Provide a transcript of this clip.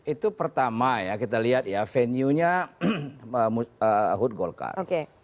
itu pertama ya kita lihat ya venue nya hood golkar